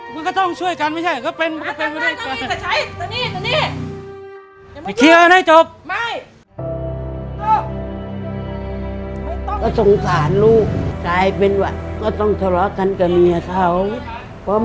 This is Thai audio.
มันก็ต้องช่วยกันไม่ใช่ก็เป็นก็เป็น